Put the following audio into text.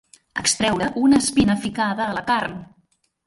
Extreure una espina ficada a la carn.